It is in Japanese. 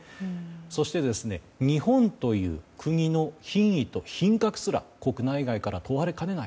そして日本という国の品位と品格すら国内外から問われかねない。